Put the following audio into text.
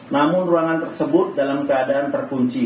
namun ruangan tersebut dalam keadaan terkunci